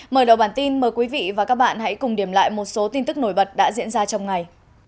mở đầu bản tin mời quý vị và các bạn hãy cùng điểm lại một số tin tức nổi bật đã diễn ra trong ngày